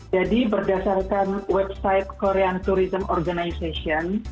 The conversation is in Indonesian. jadi berdasarkan website korean tourism organization